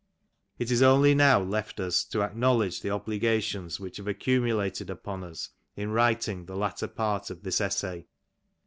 It is only now left us to acknowledge the obligations which have accumulated upon us in writing the latter part of this essay.